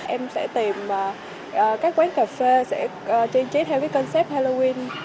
em sẽ tìm các quán cà phê trang trí theo concept halloween